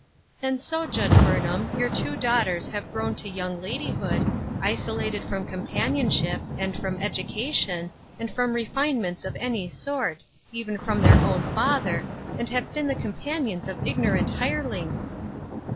" And so. Judge Burnham, your two daugh ters have grown to young ladyhood, isolated from companionship, and from education, and fiom refinements of every sort, even from their own father, and have been the companions of ignorant hirelings